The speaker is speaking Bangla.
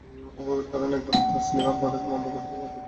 অভাবের কারণে একবার তাছলিমার পড়ালেখা বন্ধ করে দেওয়ার কথা ভাবছিলেন তাঁরা।